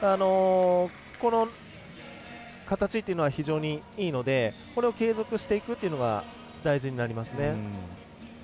この形というのは非常にいいのでこれを継続していくというのが大事になりますね。